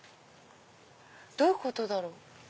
どういうことだろう？